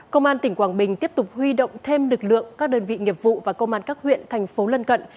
công an tỉnh quảng bình tiếp tục huy động thêm lực lượng các đơn vị nghiệp vụ và công an các huyện thành phố lân cận